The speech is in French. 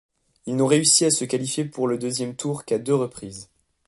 Ils n'ont réussi à se qualifier pour le deuxième tour qu'à deux reprises.